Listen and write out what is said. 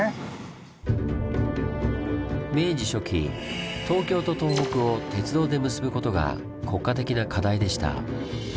明治初期東京と東北を鉄道で結ぶことが国家的な課題でした。